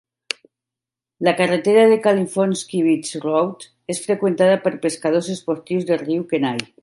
La carretera de Kalifornsky Beach Road és freqüentada per pescadors esportius del riu Kenai.